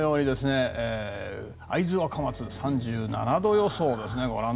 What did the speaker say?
会津若松、３７度予想です。